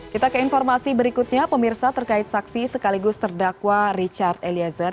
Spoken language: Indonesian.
kita ke informasi berikutnya pemirsa terkait saksi sekaligus terdakwa richard eliezer